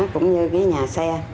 cũng như cái nhà xe